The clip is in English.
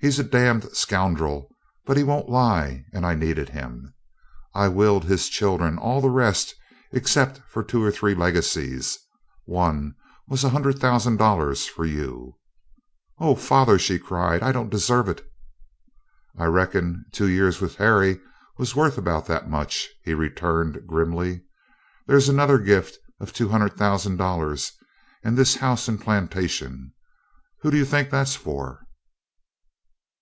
He's a damned scoundrel; but he won't lie, and I needed him. I willed his children all the rest except two or three legacies. One was one hundred thousand dollars for you " "Oh, father!" she cried. "I don't deserve it." "I reckon two years with Harry was worth about that much," he returned grimly. "Then there's another gift of two hundred thousand dollars and this house and plantation. Whom do you think that's for?"